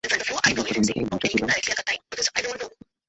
আমি দরজা বন্ধ কইরা বইসা ছিলাম।